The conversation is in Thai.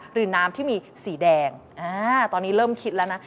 หรือน้ำที่มีสีแดงตอนนี้เริ่มคิดแล้วนะ